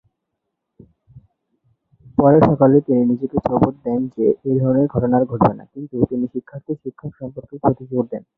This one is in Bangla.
পরের সকালে তিনি নিজেকে প্রবোধ দেন যে এই ধরনের ঘটনা আর ঘটবে না, কিন্তু তিনি শিক্ষার্থী-শিক্ষক সম্পর্কের প্রতি জোর দেন।